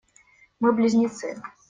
Мы близнецы.